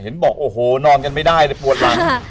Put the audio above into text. บอกโอ้โหนอนกันไม่ได้เลยปวดหลัง